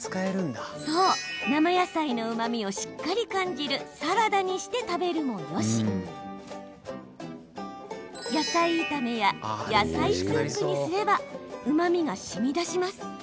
生野菜のうまみをしっかり感じるサラダにして食べるもよし野菜炒めや野菜スープにすればうまみがしみ出します。